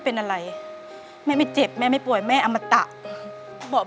เปลี่ยนเพลงเพลงเก่งของคุณและข้ามผิดได้๑คำ